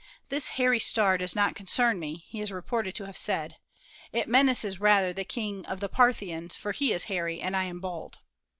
'This hairy star does not concern me," he is reported to have said; "it menaces rather the King of the Parthians, for he is hairy and I am bald."